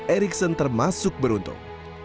eriksen termasuk beruntung